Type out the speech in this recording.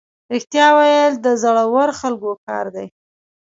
رښتیا ویل د زړورو خلکو کار دی.